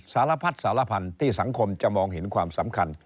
สารพัดสารพันธุ์ที่สังคมจะมองเห็นความสำคัญ